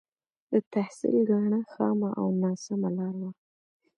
د تحصيل کاڼه خامه او ناسمه لاره وه.